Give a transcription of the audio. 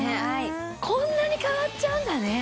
こんなに変わっちゃうんだね。